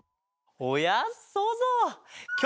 おやそうぞう！